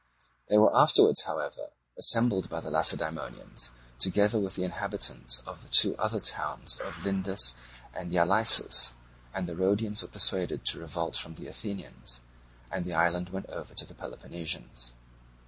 They were afterwards, however, assembled by the Lacedaemonians together with the inhabitants of the two other towns of Lindus and Ialysus; and the Rhodians were persuaded to revolt from the Athenians and the island went over to the Peloponnesians.